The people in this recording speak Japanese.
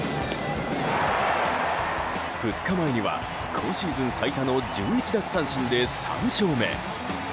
２日前には、今シーズン最多の１１奪三振で３勝目。